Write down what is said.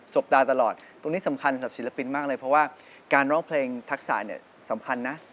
บดานตลอดตรงนี้สำคัญกับศิลปินมากเลยเพราะว่าการร้องเพลงทักษะเนี่ยสำคัญนะ